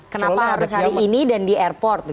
kenapa harus hari ini dan di airport